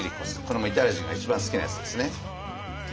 これもイタリア人が一番好きなやつですね。